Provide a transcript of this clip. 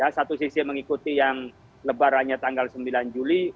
satu sisi mengikuti yang lebarannya tanggal sembilan juli